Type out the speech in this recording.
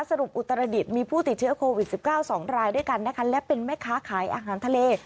อุตรดิษฐ์มีผู้ติดเชื้อโควิด๑๙๒รายด้วยกันนะคะและเป็นแม่ค้าขายอาหารทะเล